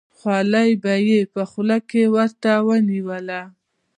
خولۍ به یې په خوله کې ورته ونیوله.